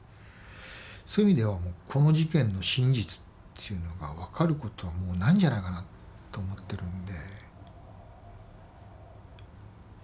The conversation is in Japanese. そういう意味ではこの事件の真実っていうのが分かることはもうないんじゃないかなと思ってるんで。